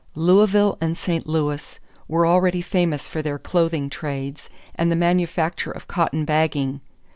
Louisville and St. Louis were already famous for their clothing trades and the manufacture of cotton bagging.